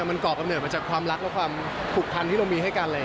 มันก่อกำเนิดมาจากความรักและความผูกพันที่เรามีให้กัน